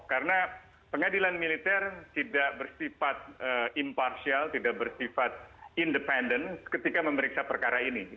karena pengadilan militer tidak bersifat impartial tidak bersifat independen ketika memeriksa perkara ini